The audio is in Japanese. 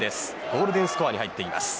ゴールデンスコアに入っています。